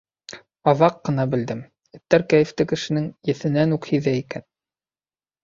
Аҙаҡ ҡына белдем, эттәр кәйефте кешенең еҫенән үк һиҙә икән.